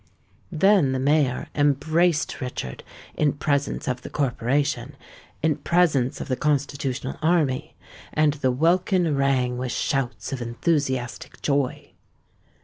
Then the mayor embraced Richard in presence of the corporation—in presence of the Constitutional Army; and the welkin rang with shouts of enthusiastic joy.